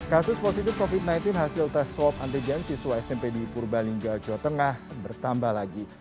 kasus positif covid sembilan belas hasil tes swab antigen siswa smp di purbalingga jawa tengah bertambah lagi